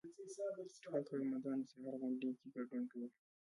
ټول کارمندان د سهار غونډې کې ګډون کوي.